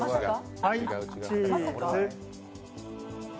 はい、チーズ。